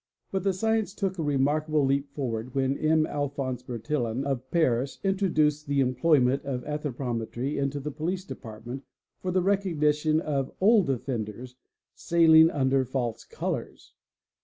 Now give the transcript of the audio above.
But the science took a remarkable leap forward when M. Alphonse Bertillon of Paris introduced the em _ ployment of anthropometry into the police department for the recognition : of old offenders sailing under false colours.